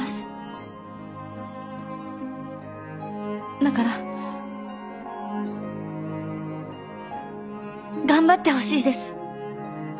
だから頑張ってほしいです。